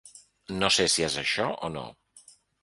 No sé si es això o no.